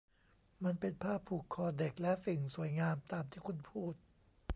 มันเป็นผ้าผูกคอ เด็กและสิ่งสวยงามตามที่คุณพูด